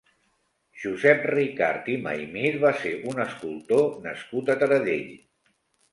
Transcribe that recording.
Josep Ricart i Maymir va ser un escultor nascut a Taradell.